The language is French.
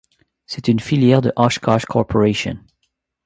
C'est une filière de Oshkosh Corporation.